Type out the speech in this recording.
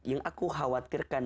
yang aku khawatirkan